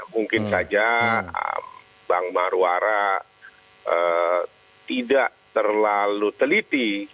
mungkin saja bang marwara tidak terlalu teliti